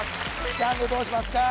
ジャンルどうしますか？